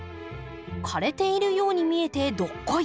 枯れているように見えてどっこい